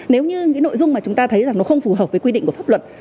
nếu như những nội dung mà chúng ta thấy rằng nó không phù hợp với quy định của pháp luật